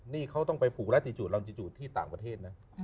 นี่เขาต้องไปผูกล่า๔๐ล่างจิตห์ที่ต่างประเทศนะ